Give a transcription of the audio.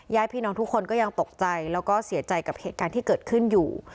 ญาติพี่น้องทุกคนก็ยังตกใจแล้วก็เสียใจกับเหตุการณ์ที่เกิดขึ้นอยู่